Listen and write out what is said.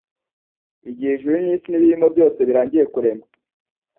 «Igihe ijuru n'isi n'ibiyirimo byose birangiye kuremwa,'»